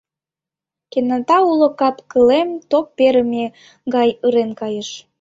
Кенета уло кап-кылем ток перыме гай ырен кайыш.